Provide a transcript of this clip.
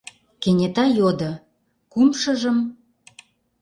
Кенета йодо: “Кумшыжым